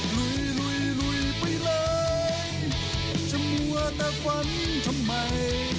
ลุยไปเลยจะมัวแต่ฝันทำไม